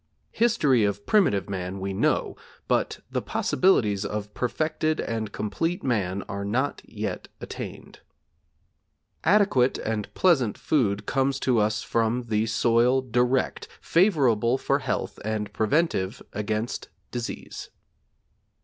History of primitive man we know, but the possibilities of perfected and complete man are not yet attained. Adequate and pleasant food comes to us from the soil direct, favorable for health, and a preventive against disease.